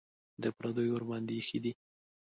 د پردیو ورباندې ایښي دي.